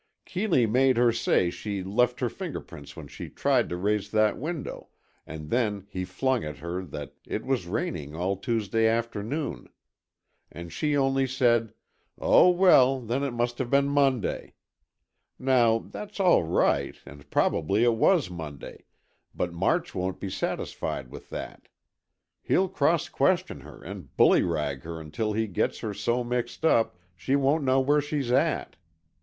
"Keeley made her say she left her fingerprints when she tried to raise that window, and then he flung at her that it was raining all Tuesday afternoon. And she only said: 'Oh, well, then it must have been Monday.' Now, that's all right, and probably it was Monday, but March won't be satisfied with that. He'll cross question her and bullyrag her until he gets her so mixed up she won't know where she's at!"